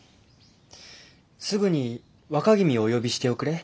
すぐに若君をお呼びしておくれ。